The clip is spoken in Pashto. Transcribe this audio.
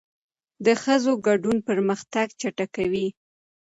د ښځو ګډون پرمختګ چټکوي.